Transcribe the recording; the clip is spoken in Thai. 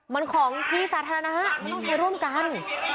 มันของที่สาธารณะมันต้องใช้ร่วมกัน